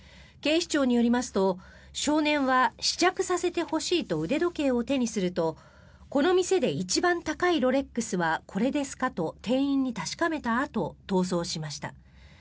警視庁によりますと少年は試着させてほしいと腕時計を手にするとこの店で一番高いロレックスはこれですかと店員に確かめたあと逃走しました。